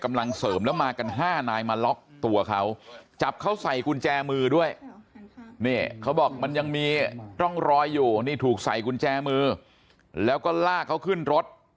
มีกุญแจมือด้วยนี่เขาบอกมันยังมีต้องรอยอยู่นี่ถูกใส่กุญแจมือแล้วก็ลากเขาขึ้นรถ